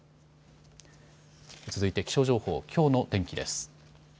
続いて気象情報、きょうの天気です。